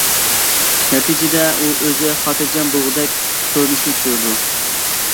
نەتىجىدە ئۇ ئۆزى خاتىرجەم بولغۇدەك كۆرۈنۈشنى كۆرىدۇ.